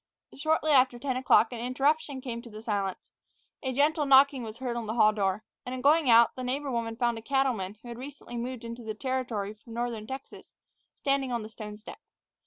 Shortly after ten o'clock an interruption came to the silence. A gentle knocking was heard at the hall door, and, on going out, the neighbor woman found a cattleman who had recently moved into the Territory from northern Texas standing on the stone step.